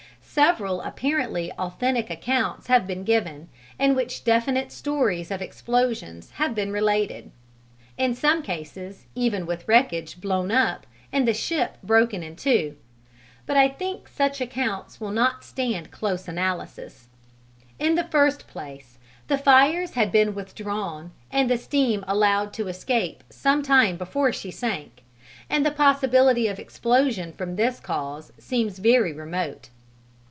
Several apparently authentic accounts have been given, in which definite stories of explosions have been related in some cases even with wreckage blown up and the ship broken in two; but I think such accounts will not stand close analysis. In the first place the fires had been withdrawn and the steam allowed to escape some time before she sank, and the possibility of explosion from this cause seems very remote.